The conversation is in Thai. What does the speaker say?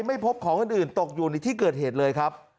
ไม่พบของอื่นตกอยู่ในที่เกิดเหตุเลยครับ